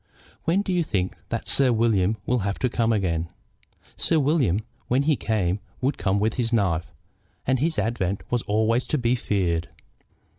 When do you think that Sir William will have to come again?" Sir William, when he came, would come with his knife, and his advent was always to be feared.